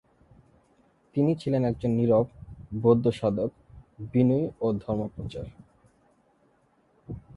তিনি ছিলেন একজন নিরব বৌদ্ধসাধক, বিনয়ী ও ধর্মপ্রচারক।